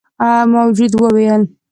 موجود وويل: